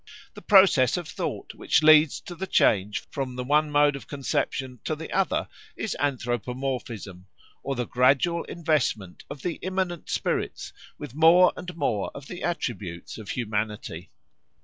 The process of thought which leads to the change from the one mode of conception to the other is anthropomorphism, or the gradual investment of the immanent spirits with more and more of the attributes of humanity.